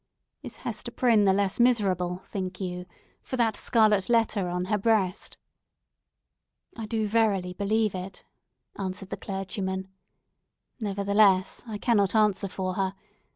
Is Hester Prynne the less miserable, think you, for that scarlet letter on her breast?" "I do verily believe it," answered the clergyman. "Nevertheless, I cannot answer for her.